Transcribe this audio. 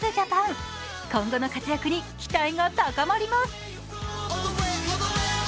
今後の活躍に期待が高まります。